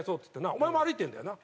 お前も歩いてるんだよな？